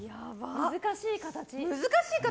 難しい形。